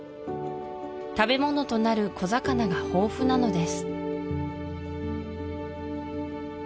食べ物となる小魚が豊富なのです